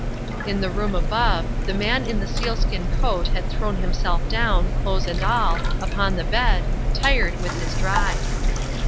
In the room above, the man in the sealskin coat had thrown himself down, clothes and all, upon the bed, tired with his drive.